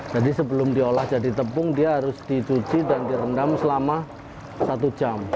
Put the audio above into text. jadi sebelum diolah jadi tepung dia harus dicuci dan direndam selama satu jam